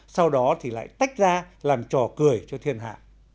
sau đó thì lại tách ra làm trò cười cho thiên hạ